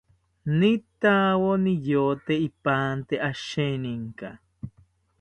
Nitakawo niyote ipante asheninka